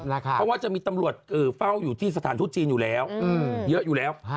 เพราะว่าจะมีตำรวจเฝ้าอยู่ที่สถานทูตจีนอยู่แล้วเยอะอยู่แล้ว